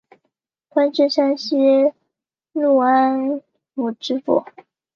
官至山西潞安府知府。